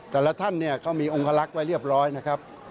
แต่ละท่านเนี่ยก็มีองคลักษณ์ไว้เรียบร้อยนะครับ